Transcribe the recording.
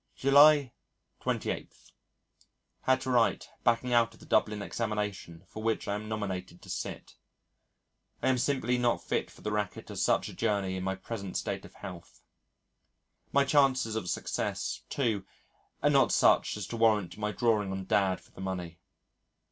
July 28. Had to write backing out of the Dublin Examination for which I am nominated to sit. I am simply not fit for the racket of such a journey in my present state of health. My chances of success, too, are not such as to warrant my drawing on Dad for the money.